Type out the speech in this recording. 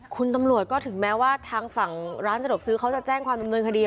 คุณตำรวจก็ถึงแม้ว่าทางฝั่งร้านสะดวกซื้อเขาจะแจ้งความดำเนินคดี